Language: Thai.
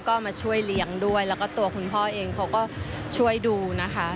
ก็มาช่วยเลี้ยงด้วยแล้วก็ตัวคุณพ่อเองเขาก็ช่วยดูนะคะ